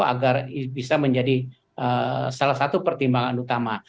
agar bisa menjadi salah satu pertimbangan utama